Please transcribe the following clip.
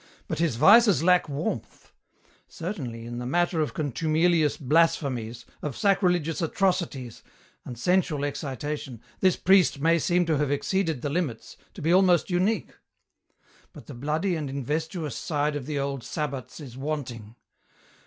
But his vices lack warmth. Certainly, in the matter of contumelious blasphemies, of sacrilegious atrocities, and sensual excitation, this priest may seem to have exceeded the limits, to be almost unique. But the bloody and investuous side of the old sabbats is wanting.